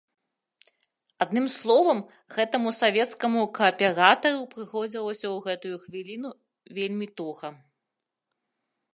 Адным словам, гэтаму савецкаму кааператару прыходзілася ў гэтую хвіліну вельмі туга.